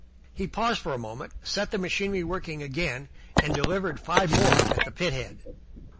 He paused for a moment, set the machinery working again, and delivered five more at the pithead.